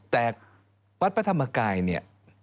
แต่วัดพระธรรมกายเนี่ย